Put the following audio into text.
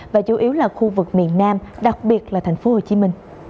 và chủ yếu là khu vực miền nam đặc biệt là tp hcm